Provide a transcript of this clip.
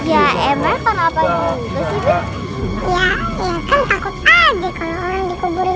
ya emang kenapa gitu sih bu